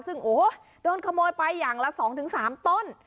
ซึ่งโอ้โหโดนขโมยไปอย่างละ๒๓ต้น